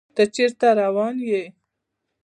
ته چيرته روان يې